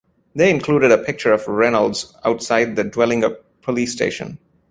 They included a picture of Reynolds outside the Dwellingup police station.